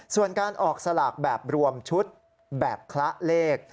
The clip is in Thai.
ส่วนการออกสลากแบบรวมชุดแบบคละเลข